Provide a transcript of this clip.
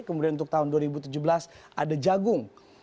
kemudian untuk tahun dua ribu tujuh belas ada jagung